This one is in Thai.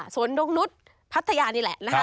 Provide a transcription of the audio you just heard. นกนุษย์พัทยานี่แหละนะคะ